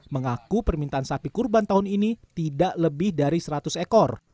mengaku permintaan sapi kurban tahun ini tidak lebih dari seratus ekor